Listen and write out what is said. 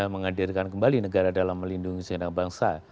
menghadirkan kembali negara dalam melindungi seenak bangsa